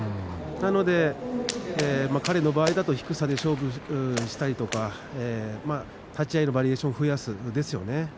なので彼の場合だと低さで勝負したいとか立ち合いのバリエーションを増やすですよね。